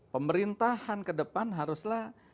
pemerintahan kedepan haruslah